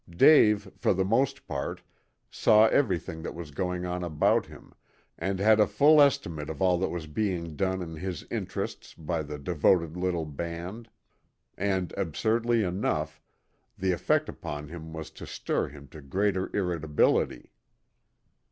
Dave, for the most part, saw everything that was going on about him, and had a full estimate of all that was being done in his interests by the devoted little band, and, absurdly enough, the effect upon him was to stir him to greater irritability.